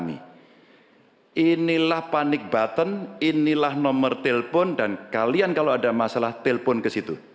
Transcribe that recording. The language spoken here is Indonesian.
inilah panik button inilah nomor telepon dan kalian kalau ada masalah telpon ke situ